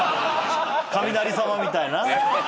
雷さまみたいな？